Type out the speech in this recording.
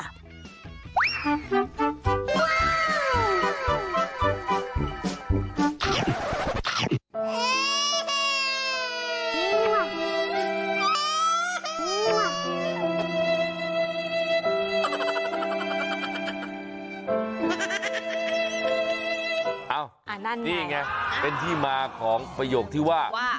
นั่นไงนี่ไงเป็นที่มาของประโยคที่ว่า